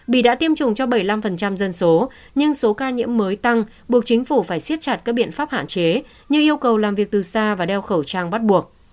bỉ đã tiêm chủng cho bảy mươi năm dân số nhưng số ca nhiễm mới tăng buộc chính phủ phải siết chặt các biện pháp hạn chế như yêu cầu làm việc từ xa và đeo khẩu trang bắt buộc